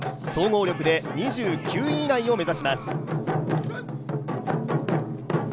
総合力で２９位以内を目指します。